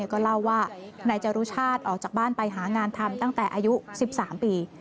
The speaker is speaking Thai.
ก็เล่าว่านายจรุชาติออกจากบ้านไปหางานทำตั้งแต่อายุ๑๓ปี